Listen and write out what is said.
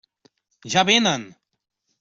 Ja vénen!